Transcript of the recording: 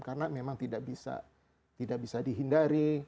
karena memang tidak bisa dihindari